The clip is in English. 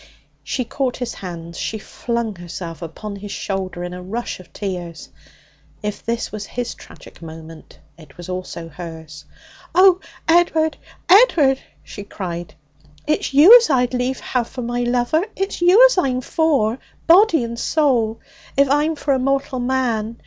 She caught his hands; she flung herself upon his shoulder in a rush of tears. If this was his tragic moment, it was also hers. 'Oh, Ed'ard, Ed'ard!' she cried, 'it's you as I'd lief have for my lover! It's you as I'm for, body and soul, if I'm for a mortal man!